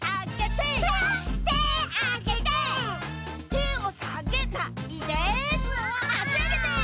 てをさげないであしあげて！